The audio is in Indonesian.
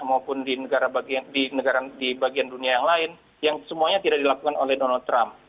maupun di bagian dunia yang lain yang semuanya tidak dilakukan oleh donald trump